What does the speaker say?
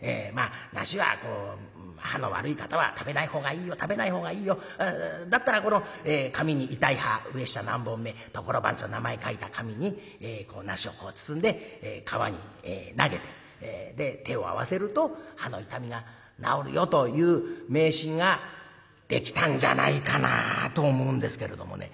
梨は歯の悪い方は食べないほうがいいよ食べないほうがいいよだったら紙に痛い歯上下何本目所番地と名前書いた紙に梨を包んで川に投げて手を合わせると歯の痛みが治るよという迷信ができたんじゃないかなあと思うんですけれどもね。